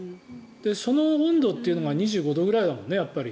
その温度というのが２５度ぐらいだもんね。